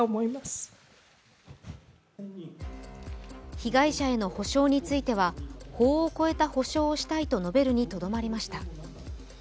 被害者への補償については法を超えた補償をしたいと述べるにとどまりました。